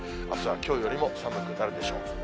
あすはきょうよりも寒くなるでしょう。